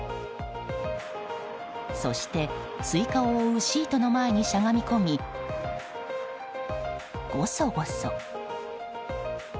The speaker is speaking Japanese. そして、スイカを覆うシートの前にしゃがみ込みゴソゴソ。